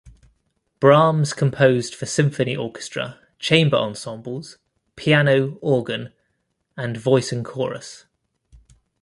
Brahms composed for symphony orchestra, chamber ensembles, piano, organ, and voice and chorus.